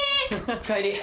おかえり。